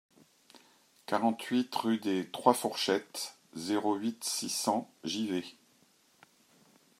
quarante-huit rue des trois Fourchettes, zéro huit, six cents, Givet